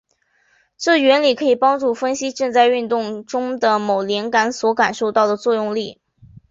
这原理可以帮助分析正在运动中的某连杆所感受到的作用力。